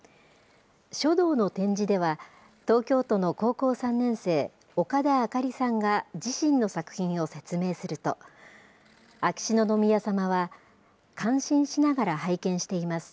書道の展示では、東京都の高校３年生、岡田明莉さんが自身の作品を説明をすると、秋篠宮さまは、感心しながら拝見しています。